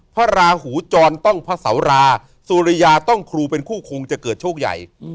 พระราหูจรต้องพระเสาราสุริยาต้องครูเป็นคู่คงจะเกิดโชคใหญ่